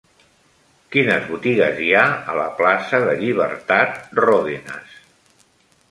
Quines botigues hi ha a la plaça de Llibertat Ròdenas?